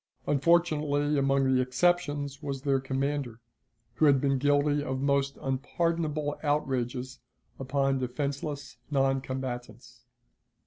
Unfortunately, among the exceptions, was their commander, who had been guilty of most unpardonable outrages upon defenseless non combatants.